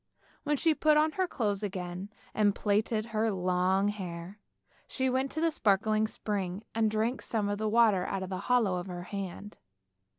When she had put on her clothes again, and plaited her long hair, she went to a sparkling spring and drank some of the water out of the hollow of her hand.